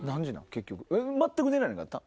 結局全く寝られへんかった？